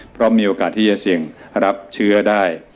เพราะมีโอกาสที่จะเสี่ยงรับเชื้อได้